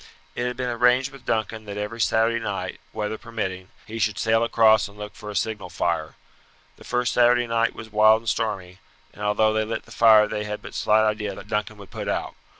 It had been arranged with Duncan that every Saturday night, weather permitting, he should sail across and look for a signal fire. The first Saturday night was wild and stormy, and although they lit the fire they had but slight idea that Duncan would put out.